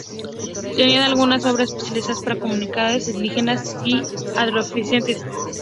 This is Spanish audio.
Tienen algunas obras especiales para comunidades indígenas y afrodescendientes.